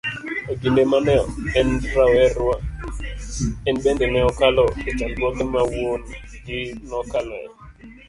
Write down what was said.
Ekinde mane enrawera, enbende ne okalo echandruoge mawuon-gi nekaloe.